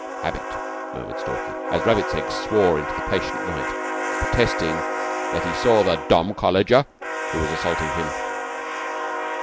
"Habet!" murmured Stalky, as Rabbits Eggs swore into the patient night, protesting that he saw the "dommed colleger" who was assaulting him.